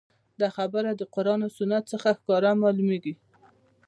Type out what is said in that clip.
دا خبره د قران او سنت څخه ښکاره معلوميږي